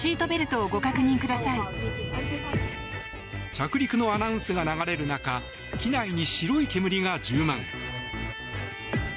着陸のアナウンスが流れる中機内に白い煙が充満。